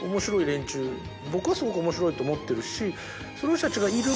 僕はすごく面白いと思ってるし。